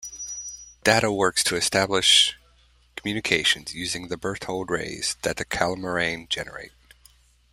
Data works to establish communications using the Berthold rays that the Calamarain generate.